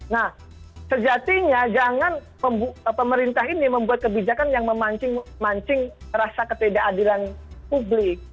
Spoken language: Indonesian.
nah sejatinya jangan pemerintah ini membuat kebijakan yang memancing rasa ketidakadilan publik